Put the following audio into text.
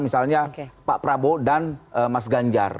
misalnya pak prabowo dan mas ganjar